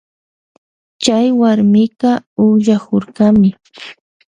Chay warmika ukllakurkami.